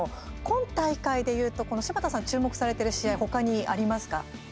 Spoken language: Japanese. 今大会でいうとこの、柴田さん注目されている試合他にありますか。